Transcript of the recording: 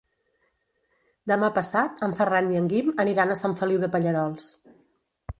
Demà passat en Ferran i en Guim aniran a Sant Feliu de Pallerols.